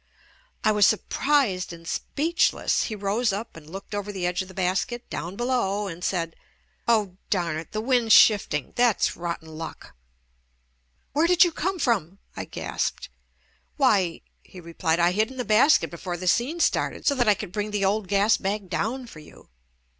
I was surprised and speechless. He rose up and looked over the edge of the basket, down below and said, "Oh, darn it, the wind's shift fag — that's rotten luck." ^Where did you come from?" I gasped. "Why," he replied, "I hid in the basket before the scene started so that I could bring the old gas bag down for you."